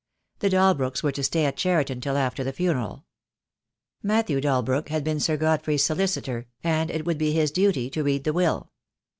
The Dalbrooks were to stay at Cheriton till after the funeral. Matthew Dalbrook had been Sir Godfrey's solicitor, and it would be his duty to read the will.